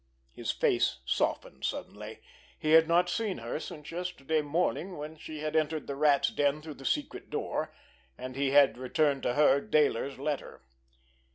His face softened suddenly. He had not seen her since yesterday morning when she had entered the Rat's den through the secret door, and he had returned to her Dayler's letter.